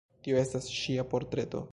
Tio estas ŝia portreto.